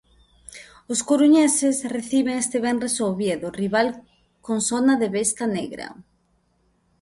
Os coruñeses, reciben este venres o Oviedo, rival con sona de besta negra.